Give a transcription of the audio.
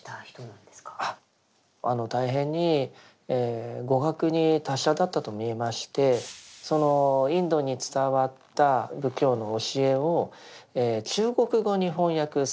あの大変に語学に達者だったとみえましてそのインドに伝わった仏教の教えを中国語に翻訳された最初期の方です。